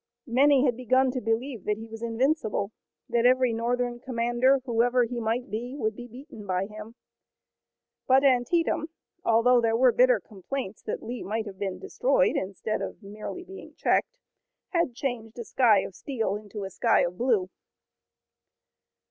Many had begun to believe that he was invincible, that every Northern commander whoever he might be, would be beaten by him, but Antietam, although there were bitter complaints that Lee might have been destroyed instead of merely being checked, had changed a sky of steel into a sky of blue.